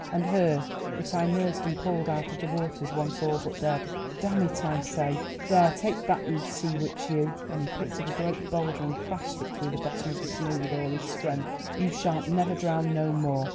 "And her that I nursed and pulled out of the waters once all but dead. Damn it, I say! There, take that, you Sea Witch, you!" and he picked up a great boulder and crashed it through the bottom of the canoe with all his strength. "You shan't never drown no more.